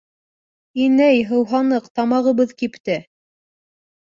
— Инәй, һыуһаныҡ, тамағыбыҙ кипте.